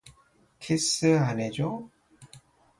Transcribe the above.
키스 안 해줘?